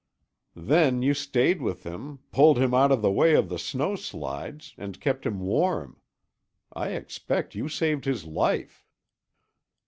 Then you stayed with him, pulled him out of the way of the snow slides, and kept him warm. I expect you saved his life."